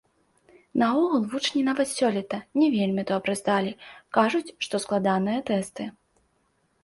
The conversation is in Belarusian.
Наогул, вучні нават сёлета не вельмі добра здалі, кажуць, што складаныя тэсты.